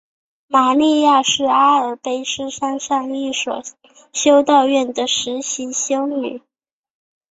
玛莉亚是阿尔卑斯山上一所修道院的实习修女。